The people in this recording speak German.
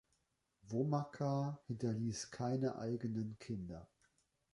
Womacka hinterließ keine eigenen Kinder.